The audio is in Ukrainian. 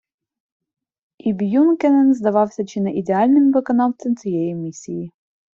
І Б’юкенен здавався чи не ідеальним виконавцем цієї місії.